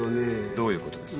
どういうことです？